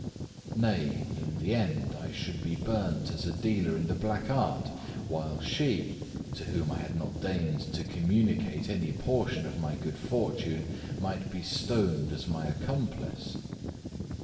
Nay, in the end I should be burnt as a dealer in the black art, while she, to whom I had not deigned to communicate any portion of my good fortune, might be stoned as my accomplice.